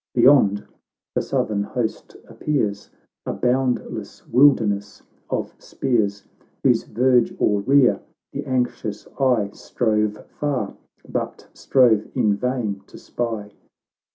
Beyond, the Southern host appears, A boundless wilderness of spears, AYhose verge or rear the anxious eye Strove far, but strove in vain, to spy.